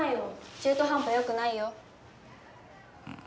中途半端よくないよ。